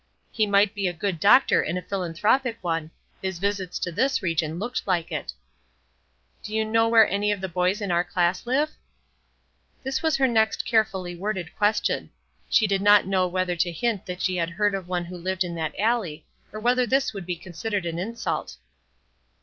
He might be a good doctor and a philanthropic one; his visits to this region looked like it. "Do you know where any of the boys in our class live?" This was her next carefully worded question. She did not know whether to hint that she had heard of one who lived in that alley, or whether this would be considered an insult.